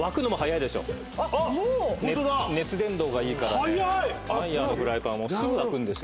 熱伝導がいいからＭＥＹＥＲのフライパンはすぐ沸くんですよ。